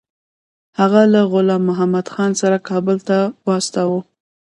هغه له غلام محمدخان سره کابل ته واستاوه.